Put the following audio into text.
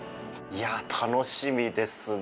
楽しみですね。